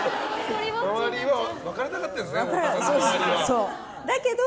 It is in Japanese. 周りは別れたがってるんですね